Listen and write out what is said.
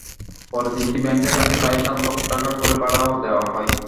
পরে তিনটি ব্যাংকের কাছে প্রায় সাত লাখ টাকা করে ভাড়াও দেওয়া হয়।